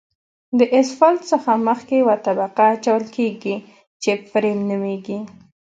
د اسفالټ څخه مخکې یوه طبقه اچول کیږي چې فریم نومیږي